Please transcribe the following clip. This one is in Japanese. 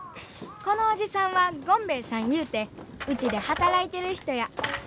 このおじさんはゴンベエさんいうてウチで働いてる人や。